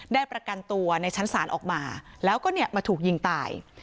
ประกันตัวในชั้นศาลออกมาแล้วก็เนี่ยมาถูกยิงตาย